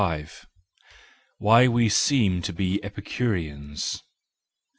375 Why we Seem to be Epicureans.